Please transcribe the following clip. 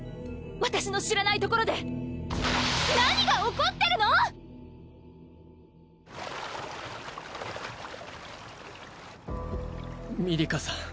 私の知らないところで何が起こってるの⁉ミミリカさん。